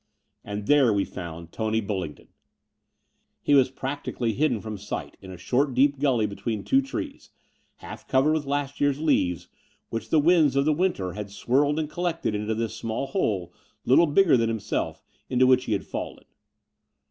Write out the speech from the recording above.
And there we found Tony BuUingdon ! He was practically hidden from sight in a short, deep gully between two big trees, half covered with last year's leaves, which the winds of the winter had swirled and collected into this small hole, little bigger than himself, into which he had fallen.